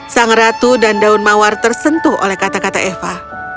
sang ratu dan daun mawar tersentuh oleh kata kata eva